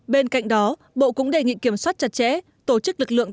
bên cạnh đó bộ cũng đề nghị kiểm soát chặt chẽ tổ chức lực lượng